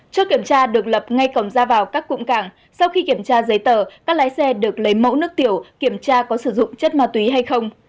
trước kiểm tra được lập ngay cổng ra vào các cụm cảng sau khi kiểm tra giấy tờ các lái xe được lấy mẫu nước tiểu kiểm tra có sử dụng chất ma túy hay không